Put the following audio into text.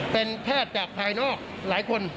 เป็นแพทย์จากภายนอกหลายคน